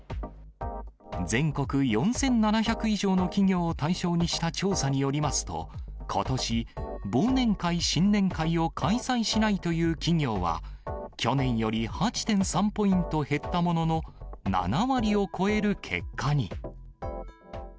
全国４７００以上の企業を対象にした調査によりますと、ことし、忘年会・新年会を開催しないという企業は、去年より８．３ポイント減ったものの、７割を超える結果に。